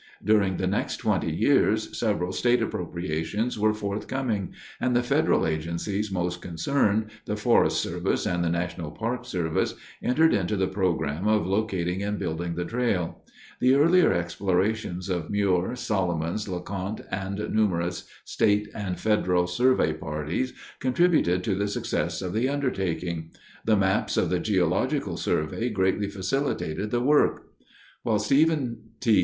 During the next twenty years several state appropriations were forthcoming, and the federal agencies most concerned, the Forest Service and the National Park Service, entered into the program of locating and building the trail. The earlier explorations of Muir, Solomons, LeConte, and numerous state and federal survey parties contributed to the success of the undertaking. The maps of the Geological Survey greatly facilitated the work. While Stephen T.